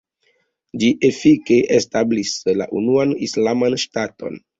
Ĝi efike establis la unuan islaman ŝtaton.